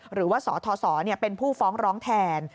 หรือว่าสทศเป็นผู้ฟ้องร้องแทน